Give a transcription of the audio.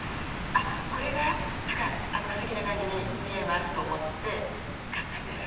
あっこれが何かステキな感じに見えますと思って買ったんです。